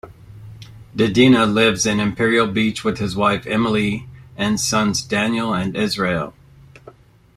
Dedina lives in Imperial Beach with his wife Emily and sons Daniel and Israel.